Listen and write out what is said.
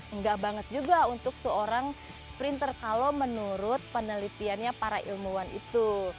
enggak banget juga untuk seorang sprinter kalau menurut penelitiannya para ilmuwan itu